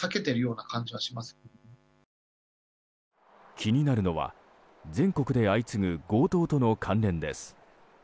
気になるのは、全国で相次ぐ強盗との関連です。